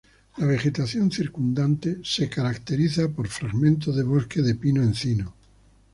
La vegetación circundante está caracterizada por fragmentos de bosque de pino-encino.